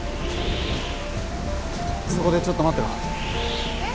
そこでちょっと待ってろえッ？